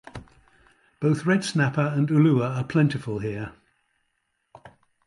Both red snapper and ulua are plentiful here.